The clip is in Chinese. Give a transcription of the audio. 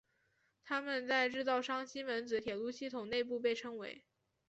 它们在制造商西门子铁路系统内部被称为。